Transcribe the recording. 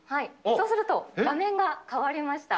そうすると、画面が変わりました。